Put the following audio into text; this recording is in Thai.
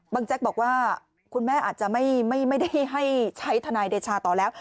บังแจ็กบอกว่าคุณแม่อาจจะไม่ไม่ไม่ได้ให้ใช้ธนายเนเจชาต่อแล้ว